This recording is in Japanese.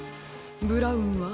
ブラウンは？